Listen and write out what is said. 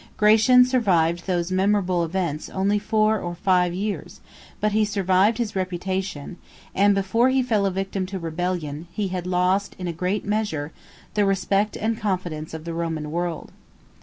Gratian survived those memorable events only four or five years; but he survived his reputation; and, before he fell a victim to rebellion, he had lost, in a great measure, the respect and confidence of the Roman world.